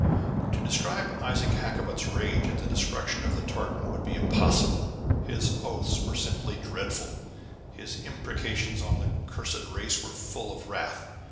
To describe Isaac Hakkabut's rage at the destruction of the tartan would be impossible. His oaths were simply dreadful; his imprecations on the accursed race were full of wrath.